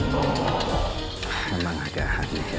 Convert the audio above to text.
memang agak hadir dia